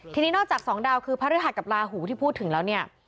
ทีนี้นอกจากสองดาวคือพระฤหัสกับลาหูที่พูดถึงแล้วเนี่ย